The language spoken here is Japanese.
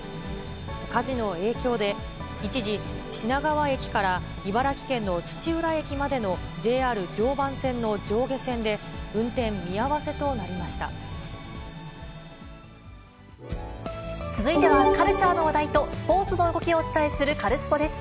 火事の影響で、一時、品川駅から茨城県の土浦駅までのＪＲ常磐線の上下線で、運転見合続いてはカルチャーの話題とスポーツの動きをお伝えする、カルスポっ！です。